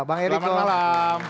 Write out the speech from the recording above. bang eriko selamat malam